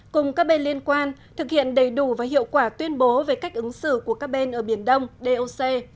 cùng các bên liên quan thực hiện đầy đủ và hiệu quả tuyên bố về cách ứng xử của các bên ở biển đông doc